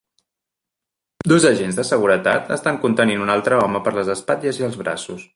Dos agents de seguretat estan contenint un altre home per les espatlles i els braços.